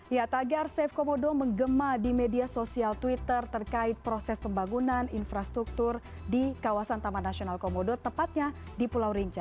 ya tagar safe komodo menggema di media sosial twitter terkait proses pembangunan infrastruktur di kawasan taman nasional komodo tepatnya di pulau rinca